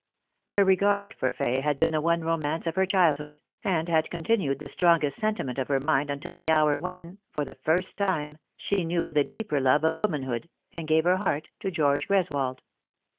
Her regard for Fay had been the one romance of her childhood, and had continued the strongest sentiment of her mind until the hour when, for the first time, she knew the deeper love of womanhood, and gave her heart to George Greswold.